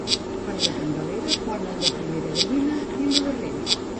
Per la Candelera ponen la primera gallina i la darrera.